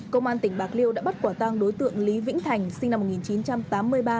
công an tỉnh bạc liêu đã bắt quả tang đối tượng lý vĩnh thành sinh năm một nghìn chín trăm tám mươi ba